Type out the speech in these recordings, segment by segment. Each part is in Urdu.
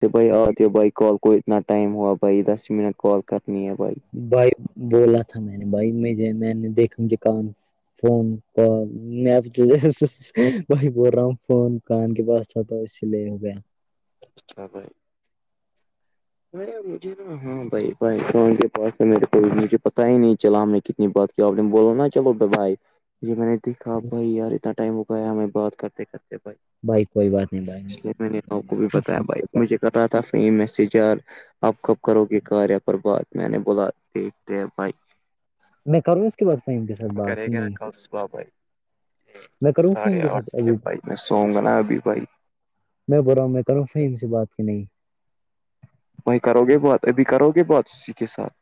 کہ بھئی ہاں آؤتی ہی بائی کال کوئی اتنا ائم ہوا بھائی دس ہی منٹ کال کرنی بھائی بھائی بولا تھا میں نے بھائی میںھے میں نے دیکھا مجھے کان فون ک مپ وہی بول رہا ہوں فون کان کے پاس تھا تو اس لیے ہو گیا اچھا ب وہی ابھی زیرو ہاں بھائی بھائی کے پاس ہے میرے کو مجھے پتا ہی نہیں چلا میں کتنی بات اپ نے بولو نا چلو بایء ج میں نے دیکھا بھائی یار اتنا ٹائم ہوگایا ہمیں بات کرتے کرتے بھائی بھائی کوئی بات نہیں بھائی اس لیے میں نے آپ کو بھی بتایا بھائی مجھے کر رہا تھا فہیم میسج یار اب کب کرو گے کاریا پر بات میں نے بولا دیکھتے ہیں بھائی میں کروں اس کے بعد فہیم کے ساتھ ہم بات کرے کہ گے نا نہیں کل صبح بھائی میں کروں ساڑھے فہیم آٹھ ساتھ کے ابھی بھائی میں سو گا نا ابھی بھائی میں بول رہا ہوں میں کروں فیم سے بات کی نہیں وہیں کرو گے بات ابھی کرو گے بات اسی کے ساتھ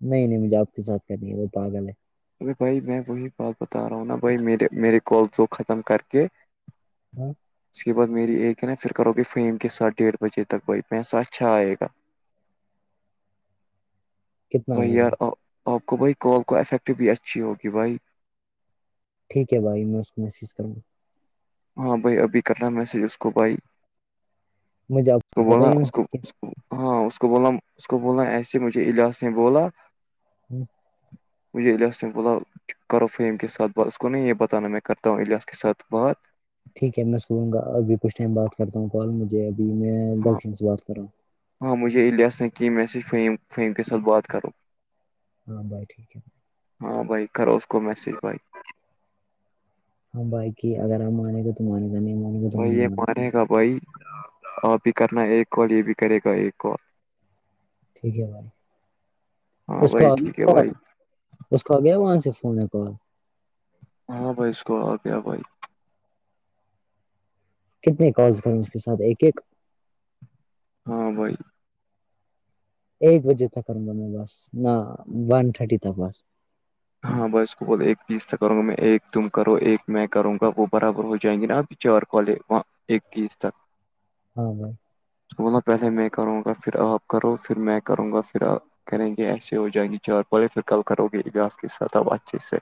نہیں نہیں مجھے آپ کے ساتھ کرنی ہے وہ پاگل ہے ار بھائی میں وہی بات بتا رہا ہوں نا بھائی میرے میرے کالز ختم کر کے ہوں اس کے بعد میری ایک ہے نا پھر کرو گے فیم کےاتھ ڈیڑھ بجے تک بھائی پیسہ اچھا آئے گا کتنا بھائی آئے گا یار آپ کو بھائی کال کو افیکٹ بھی اچھی ہوگی بھائی ٹھیک ہے بھائی میں اس کو میسیج کروں گا ہاں بھائی ابھی کرنا ہے میسج اس کو بھائی مجھے اس آپ کو پتا بولنا یہاں اس کو سے کیا ہاں اس کو بولا اس کو بولا ایسے مجھے الاس نے بولا ہوں مجھے الیاس نہیں بولا کرو فیم کے ساتھ بات اس کو نہیں یہ بتانا میں کرتا ہوں الیاس کے ساتھ بات ٹھیک ہے میں سوں گا ابھی کچھ ٹائم بات کرتا ہوں کال مجھے ابھی میں ہاں دن سے بات کر رہا ہوں ہاں مجھے یہ الیاس نے کہ میں سے فہیم فہیم کے ساتھ بات کروں ہاں بھائی ٹھیک ہے ب ہاں بھائی کرو اس کو میسج بھائی ہاں بائی ٹھیک اگر ہم مانے گا تو مانے گا تو نہیں مانے گے ہم بھائی یہ مانیں گے مانے گا بھائی آپ بھی کرنا ایک کال یہ بھی کرے گا ایک کال ٹھیک ہے بھائی ہاں اس بھائی کا ٹھیک ہے بھائی اس کو آ گیا وہاں سے فون یا کال ہاں بھائی اس کو آ گیا بھائی کتنے کالس کریں اس کے ساتھ ایک ایک ہاں بھائی ایک بجے تک کروں گا میں بس نہ ون تھرٹی تک بس ہاں بھائی اس کو بول ایک چیز سے کروں گا میں ایک تم کرو ایک میں کروں گا وہ برابر ہو جائیں گی نا ابھی چار کالے وہ ایک تس تک ہاں بھائی اس بولنا پہلے میں کروں گا پھر آپ کرو پھر میں کروں گا پھر آپ کریں گے ایسے ہو جائیں گے چار پھر کل کرو گے اجاز کے ساتھ آپ اچھے سے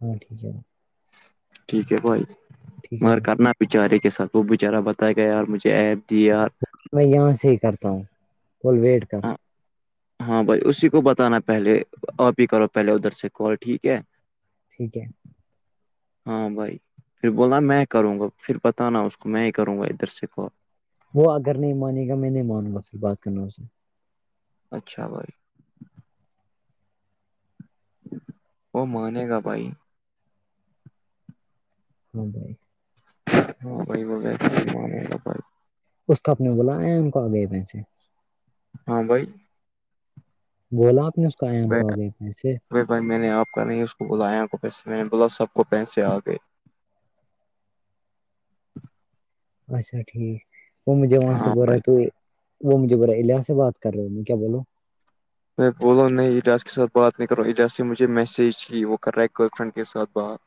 ہاں ٹھیک ہے ٹھیک ہے بھائی ٹھیک ہے مگر بھائی، کرنا بچارے کے ساتھ وہ بچارا بتائے گا یار مجھے ایپ دی یار اس کو بول میں یہاں سے ہی کرتا ہوں ویٹ کر ہاں بھائی اسی کو بتانا پہلے آپ ہی کرو پہلے ادھر سے کال ٹھیک ہے ٹھیک ہے ہاں بھائی پھر بولنا میں کروں گا پھر بتانا اس کو میں ہی کروں گا ادھر سے کال وہ اگر نہیں مانے گا میں نہیں مانوں گا پھر بات کرنا اسے اچھا بھائی وہ مانے گا بھائی ہاں بھائی ہاں بھائی وہ گیا تھا استاپنے بوللا ایم کو آگے پہسے ہاں بھائی بولا آپ نے اس کا آیام کہو گے کیسے ارے بھائی میں نے آپ کا نہیں اس کو بولا دیان کو پیسے میں نے بولا سب کو پیسے آ گئے اچھا ٹھیک وہ مجھے وہاں سے ہاں بول رہا ہے بھائی تو وہ مجھے بول رہا الیاس سے بات کرو میں کیا بولوں بھائی بولو نہیں الیاس کے ساتھ بات نہیں کر رہ ہوں الیاس نے مجھے میسیج کی وہ کر رہا ہے گرل فرینڈ کے ساتھ بات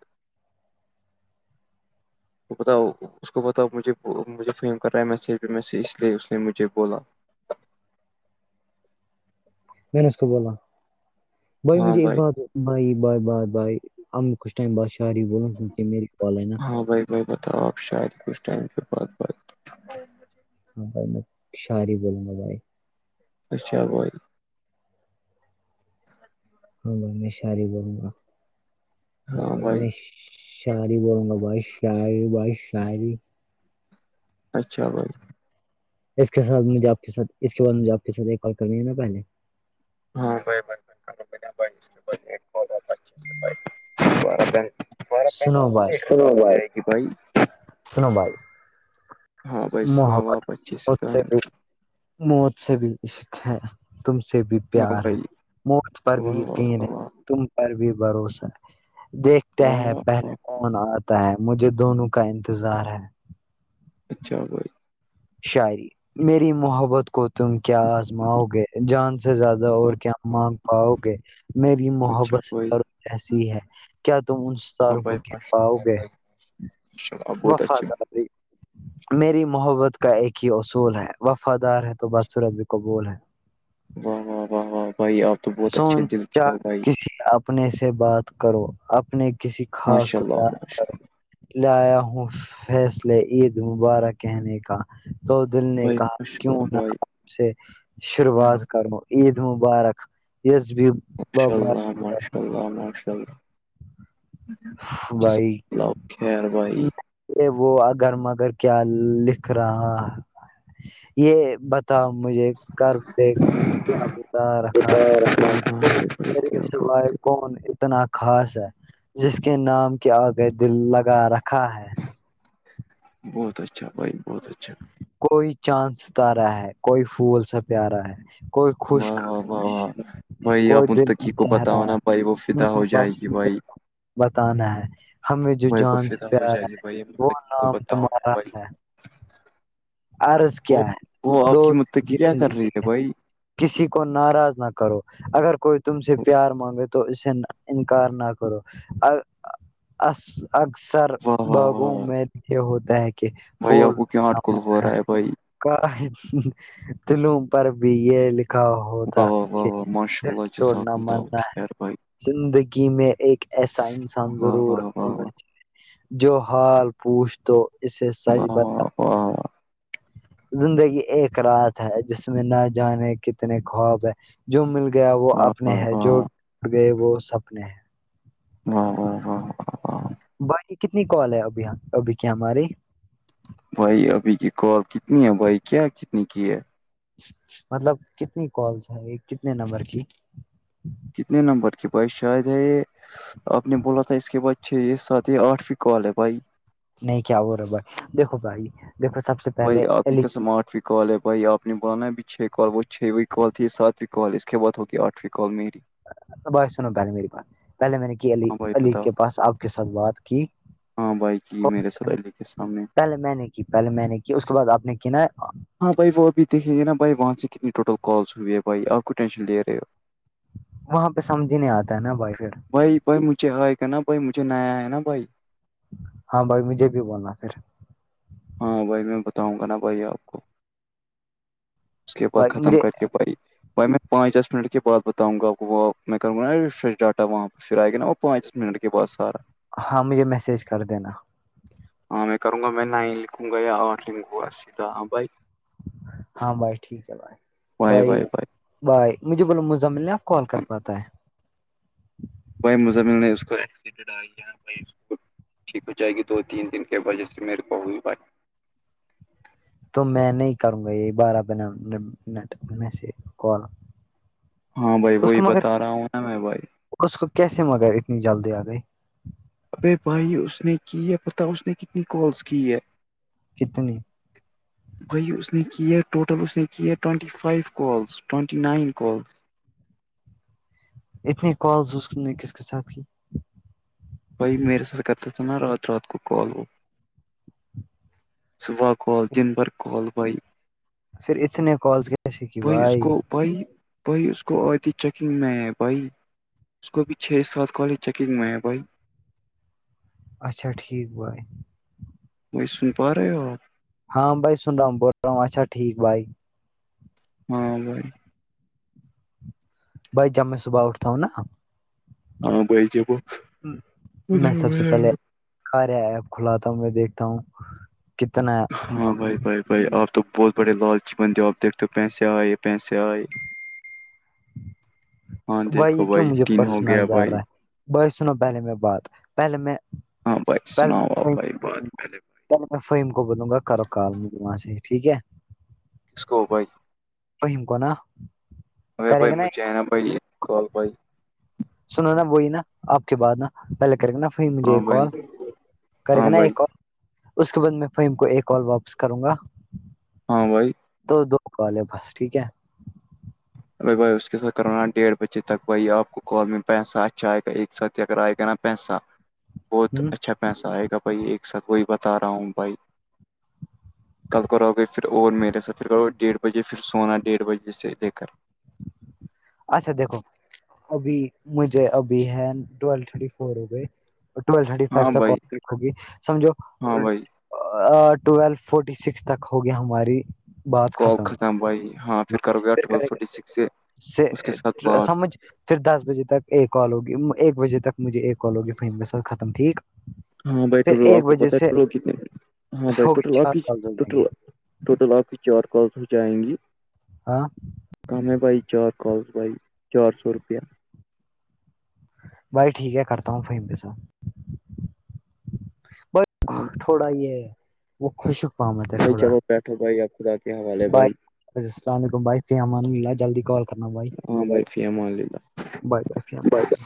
بتاؤ اس کو بتاؤ مجھے مجھے فہیم کر رہا ہے میسج اس لیے اس نے مجھے بولا میں نے اس کو بولا بھائی مجھے ایک بات بائے بائے بائے بائے ہم کچھ ٹائم بعد شاعری بولو یہ میری کال ہے نا میں بتاؤ آپ شاید کچھ ٹائم کے بعد بھائی ہاں بھائی میں شاعری بولوں گا بھائی اچھا بھائی ہاں بھائی میں شاعری بولوں گا بھائی میں شعر ہی بولوں گا بھائی شاعری بھائی شاعری اچھا بھائی اس کے ساتھ مجھے آپ ساتھ اس کے بعد مجھے آپ کے ساتھ ایک کال کرنی ہے نا پہلے [inaudible] سنو بھائی [inaudible] سنو بھائی ہاں بھائی سناؤ محبت آپ اچھے موت سے کہانی بھی موت سے بھی عشق ہے تم سے بھی ہاں پیار ہے بھائی مفت پر بھی واہ واہ یقین ہے واہ واہ تم پر بھی بھروسہ ہے دیکھتے واہ ہیں واہ پہلے واہ کون آتا ہے مجھے دونوں کا انتظار ہے اچھا بھائی شاعری میری محبت کو تم کیا آزماؤ گے جان سے زیادہ اور واہ کیا واہ، مانگ پاؤ گے میری اچھا محبت بھائی ایسی ہے کیا تم ان ہاں ساروں کو بھائی کہہ ماشاء پاؤ اللہ گے بھائی بہت اچھے ہیں وفاداری میری محبت کا ایک ہی اصول ہے وفادار ہے تو بس رب بھی قبول ہے واہ واہ واہ واہ بھائی آب سوچا کسی اپنے سے بات کرو اپنے کسی خاص ماشاء کو اللہ یاد ماشاء کرو لایا ہوں فیصلے عید مبارک کہنے کا تو دل اللہ نے بھائی کہا ماشاء کیوں اللہ نہ بھائی سے شروعات کرو عید مبارک بھی ماشاء بابا اللہ ماشاء اللہ ماشاء ال بھائی بھائی ہ یہ وہ اگر مگر کیا لکھ رہا یہ ب تھا مجھے گھر پہ کیا بتا رکھا بتا رحمان ہے ہاں جی بھائی میرے کیا سوائے بات کون اتنا خاص ہے جس کے نام کے آگئے دل لگا رکھا ہے بہت اچھا بھائی بہت اچھا کوئی چاند ستارا ہے کوئی پھول سا پیارا ہے کوئی خوش واہ واہ واہ ک واہ بھائی کوئی آپ دل کا متقی کو چہرا بتاؤ نا بھائی وہ ہے فدا ہو جائے گی بھائی بتانا ہے ہمیں جو بھائی وہ جان سے فدا ہو پیارا جائے گی ہے بھائی وہ متقی کو نام بتاؤ نا تمہارا بھائی ہے عرض کیا وہ ہے وہ آپ دو کی متقی کیا کر زگی رہی ہے بھائی کسی کو ناراض نہ کرو اگر کوئی تم سے پیار مانگے تو اس سے انکار نہ کرو اکثر واہ واہ واہ باغوں واہ میں یہ ہوتا ہے کہ ک پھول ہورہا ہے بھائی کا ہے دلوں پر بھی یہ لکھتا ہے کاا ہوتا واہ واہ واہ کہ واہ ماشاء دل اللہ توڑنا جزاک اللہ مننا خیر بھائی زندگی میں ایک ایسا انسان واہ ضرور واہ واہ ہونا واہ چاہیے جو حال پوچھ تو اسے سچ بتا واہ واہ واہ زندگی ایک رات ہے جس میں نہ جانے کتنے خواب ہے جو مل گیا وہ واہ اپنے واہ ہے جو واہ ٹوٹ گئے وہ سپنے ہیں واہ واہ واہ واہ واہ باقی کتنی کال ہے ابھی ابھی کیا ہماری بھائی ابھی کی کال کتنی ہے بھائی کیا کتنی کی ہے مطلب کتنی کالس ہے کتنے نمبر کی کتنے نمبر کی بائی شاید ہے یہ آپ نے بولا تھا اس کے بعد چھ یہ سات یہ آٹھ ف کال ہے بھائی نہیں کیا وہ رہا بھائی دیکھو بھائی د یکھو سب سے بھائی پہلے آپ کی علی قسم آج ہی کال ہے بھائی آپ نے بولانا ابھی چھ کال وہ چھ و کال تھی ساتویں کال اس کے بعد ہوگئی آٹویں کال میری بات سنو [unintelligible] پہلے میں نے کی علی ہاں بھائی علی بتاؤ کے پاس آپ کے ساتھ بات کی ہاں بھائی ک میرے ساتھ علی کے سامنے پہلے میں نے کی پہلے میں نے کی اس کے بعد آپ نے کی نا ہاں بھائی وہ ابھی دیکھیں گے نا بھائی وہاں سے کتنی ٹوٹل کالس ہوئے ہے بھائی آپ کیوں ٹینشن لے رہ ہو وہاں پہ سمجھ ہی نہیں آتا ہے نا وایفای پھر بھائی بھائی مجھے آئے گ نا بھائی مجھے نیا ہے نا بھائی ہاں بھائی مجھے بھی بولنا پھر ہاں بھائی میں بتاؤں گا نا بھائی آپ کو اس کے بعد بھائی ختم مجھے کر کے پائی بھائی میں پانچ دس منٹ کے بع بتاؤں گا آپ کو وہ میں کروں گ نا ریفریش ڈاٹا وہاں پھر آئے گا نا پانچ منٹ کے بعد سارا ہاں مجھے میسج کر دینا ہاں میں کروں گا میں نین لکھوں گیا یا آٹھ لکھوں گا سیدھا ہ بھائی ہاں بھائی ٹھیک ہے بھائی بھائی بھائی مجھے بولو مزمل نے اب کال کر پاتا ہے بھائی مزمل نے اسکو [unintelligible] ٹھیک ہو جائے گی دو تین دن کے وجہ سے میرے کو ہوئی بات تو میں نہیں کروں گا یہ بارہ بہ منٹ میں سے کال ہاں بھائی اس وہی کو مگر بتا رہا ہوں نا میں بھائی اس کو کیسے مگر اتنی جلدی آ گئی ابے بھائی اس نے کی ہے پت اس نے کتنی کالس کی ہے کتنی [inaudible] وہی اس نے کی ہے ٹوٹل اس نے کی ہے twenty five calls twenty nine calls اتنی کالز اس نے کس کے ساتھ کی بھائی میرے سات کرتا تھا نا رات رات کو کال وہ صوا کال دن بھر کال بھائی پھر اتنے کالز کیسے کی اس بھائی کو بھائی بھائی اس کو آدی چیکنگ میں ہے بھائی اس کو ابھی چھ سات کالز چیکنگ میں ہے بھائی اچھا ٹھیک بھائی وہی سن پا رہے ہو اپ ہاں بھائی سن رہا ہوں بول رہا ہوں اچھا ٹھیک بھائی ہاں بھائی بھائی جب میں صبح اٹھتا ہوں نا ہاں بھائی ٹھیک ہوں [unintelligible] اارے ایپ کھلاتا ہوں میں دیکھتا ہوں کتنا ہاں بھائی بھائی بھائی آپ تو بہت بڑے لالچی بندے ہو آپ دیکھتے ہو پیسے آئے پیسے آئے ہاں دیکھو یہ کیوں بھائی مجھے ٹین ہو گیا پرسنل جا بھائی رہا ہے بھائی سنو پہلے میں بات پہلے میں ہاں بھائی پہلے سناؤ میں آپ فہیم بھائی بات پہلے پہلے میں فہیم کو بولوں گا کرو کال میجھے وہاں سے ٹھیک ہے کس کو بھائی فہم کونا ارے بھائی مجھے ہے نا بھائی کال بھائی سنو نا وہی نا آپ کے بات نا پہلے کرے گا نا پھر مجھے فہیم ہاں ایک بھائی کال کرے گا ہاں نا بھائی ایک کال اس کے بعد میں فہیم کو ایک کال واپس کروں گا ہاں بھائی دو دو کال ہے بس ٹھیک ہے بائی بھائی اس کے ساتھ کروانا ڈیھ بجے تک بھائی آپ کو کال میں پیسہ اچھا ائے گا ساتھ ہی اگر ائے گا نہ پیسہ بہت ہ اچھا پیسا آئے گا بھائی ایک سا تھ وہی بتا رہا ہوں بھائی کل کراؤ گے پھر اور میرے ساتھ پھر ڈیڑھ بجے پھر سونا ڈیڑھ بجے سے لے کر اچھا دیکھو ابھی مجھے ابھی ہے ٹویل تھرٹی فور ہو گئے ٹول تھرٹی فو ہاں تک بھائی کال ہوگی سمجھو ہاں بھائی ٹویلو ٹھرٹی سکس تک ہوگی ہماری کال ختم بھائی ہاں پھر کرو گیا ٹویل کرے گا فورٹی سکس سے اس کے ساتھ بعد سمجھ پھر دس بجے تک ایک کال ہوگی ایک بجے تک مجھے ایک کال ہوگی ف سر ختم ٹھیک ہاں بھائی پھر ٹوٹل ایک آپ کو بجے پتا ہے سے ٹوٹل کتنے ہاں بھائی ہوگی ٹوٹل آپ چار کی کالز ہو جائیں ٹوٹل گے ٹوٹل آپ کی چار کالس ہو جائیں گی ہاں کام ہے بھائی چار کالس بھائی چار سو روپیہ بھائی ٹھیک ہے کرتا ہوں ف فہیم کے ساتھ ہاں تھوڑا یہ وہ خوشک ہے بھائی تھوڑا چلو بیٹھو بھائی آپ خدا کے حوالے بائے بھائی السلام علیکم بھائیا فی امن اللہ جلدی کال کرنا بھائی ہاں بھائی فی امان اللہ باے باے